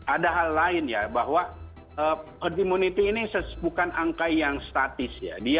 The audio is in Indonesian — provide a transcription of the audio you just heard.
ada hal lain ya bahwa herd immunity ini bukan angka yang statis ya